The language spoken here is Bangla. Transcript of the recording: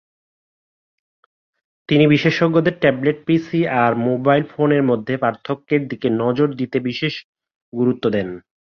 তিনি বিশেষজ্ঞদের ট্যাবলেট পিসি আর মোবাইল ফোনের মধ্যে পার্থক্যের দিকে নজর দিতে বিশেষ গুরুত্ব দেন।